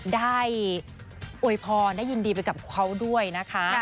ได้อวยพรได้ยินดีไปกับเขาด้วยนะคะ